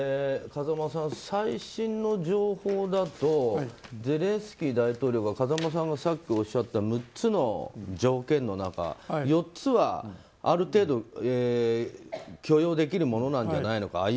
風間さん、最新の情報だとゼレンスキー大統領が風間さんがさっきおっしゃった６つの条件の中、４つはある程度許容できるものではないのか。